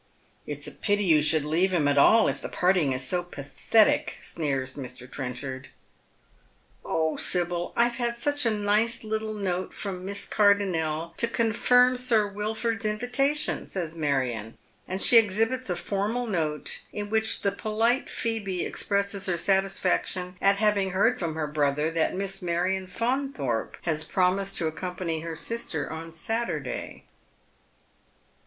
" It's a pity you should leave him at all if the parting is so pathetic," sneers Mr. Trenchard. " Oh, Sibyl, I've had such a nice little note from Miss Cardonnel 194 Dead Men's Shoes. to confimi Sir "Wilford's inA'itation," says Marion ; and ehfl exhibits a formal note, in which the polite Phoebe expresses her satisfaction at having heard from her brother that Miss Marion Faunthorpe has promised to accompany her sister on Saturday.